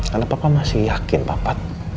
karena papa masih yakin bapak